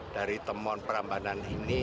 dari temuan perambanan ini